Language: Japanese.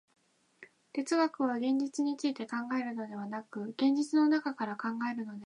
哲学は現実について考えるのでなく、現実の中から考えるのである。